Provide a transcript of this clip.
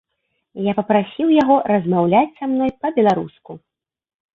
Я папрасіў яго размаўляць са мной па-беларуску.